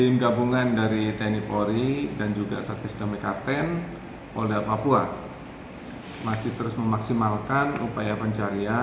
namun saat ini karena mereka berada di bawah rumput krim dan pesenjata